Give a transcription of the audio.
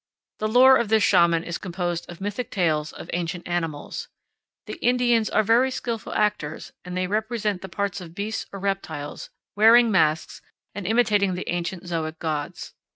The lore of this Shaman is composed of mythic tales of ancient animals. The Indians are very skillful actors, and they represent the parts of beasts or reptiles, wearing masks and imitating the ancient zoic gods.